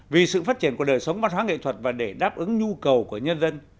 vì sự phát triển của đời sống văn hóa nghệ thuật và để đáp ứng nhu cầu của nhân dân